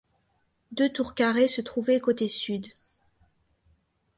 Deux tours carrées se trouvaient côté sud.